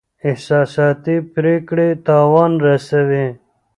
احساساتي پریکړې تاوان رسوي.